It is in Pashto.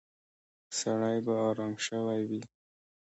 سړی به ارام شوی وي.